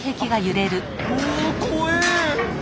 おおこえ。